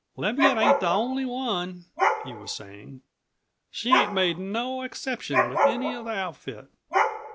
"Leviatt ain't the only one," he was saying. "She ain't made no exception with any of the outfit.